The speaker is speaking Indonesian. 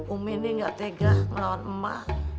umi ini nggak tega melawan emak